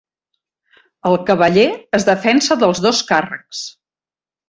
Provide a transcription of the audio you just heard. El cavaller es defensa dels dos càrrecs.